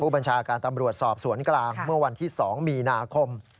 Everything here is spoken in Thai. บัญชาการตำรวจสอบสวนกลางเมื่อวันที่๒มีนาคม